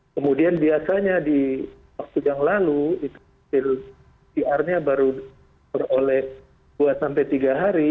kemudian biasanya di waktu yang lalu cr nya baru beroleh dua tiga hari